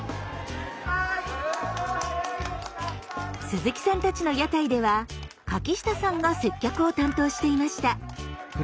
鈴木さんたちの屋台では柿下さんが接客を担当していました。